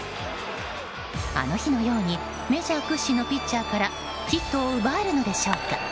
あの日のようにメジャー屈指のピッチャーからヒットを奪えるのでしょうか。